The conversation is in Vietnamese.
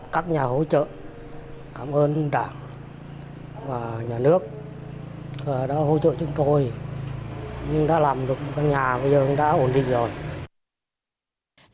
các nhà hỗ trợ cảm ơn đảng và nhà nước đã hỗ trợ chúng tôi đã làm được một cái nhà bây giờ cũng đã ổn định rồi